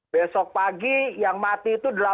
besok pagi yang mati itu delapan